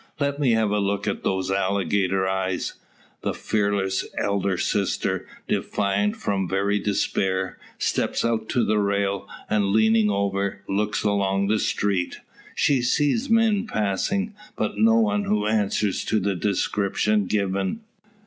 "Let me have a look at those alligator eyes." The fearless elder sister, defiant from very despair, steps out to the rail, and leaning over, looks along the street. She sees men passing; but no one who answers to the description given.